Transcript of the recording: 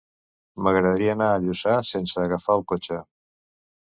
M'agradaria anar a Lluçà sense agafar el cotxe.